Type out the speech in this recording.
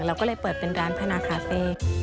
เราก็เลยเปิดเป็นร้านพนาคาเฟ่